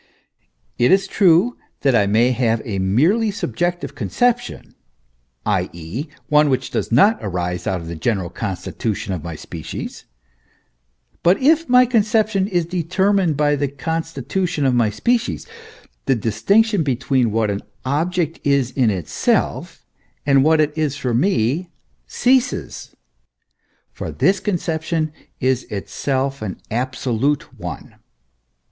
It is true that I may have a merely subjective conception, i.e. one which does not arise out of the general constitution of my species; but if my conception is determined by the constitution of my species, the distinction between what an object is in itself, and what it is for me ceases; for this conception is itself an absolute one.